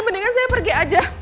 mendingan saya pergi aja